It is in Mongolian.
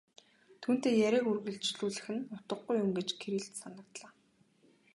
Түүнтэй яриаг үргэжлүүлэх нь утгагүй юм гэж Кириллд санагдлаа.